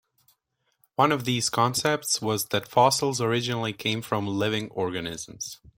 One of these concepts was that fossils originally came from living organisms.